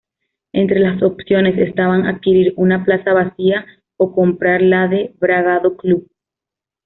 Entre las opciones estaban adquirir una plaza vacía, o comprar la de Bragado Club.